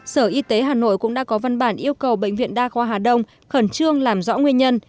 sở y tế hà nội cũng đã có văn bản yêu cầu bệnh viện đa khoa hà đông khẩn trương làm rõ nguyên nhân